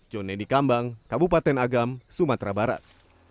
jon nedi kambang kabupaten agam sumatera barat